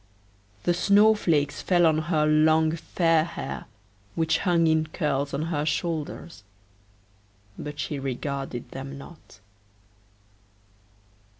The snowflakes fell on her long, fair hair, which hung in curls on her shoulders, but she regarded them not.